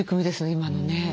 今のね。